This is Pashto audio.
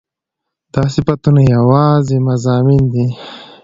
دا صفتونه يواځې مضامين دي